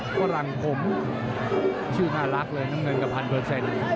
ฝรั่งผมชื่อน่ารักเลยน้ำเงินกับพันเปอร์เซ็นต์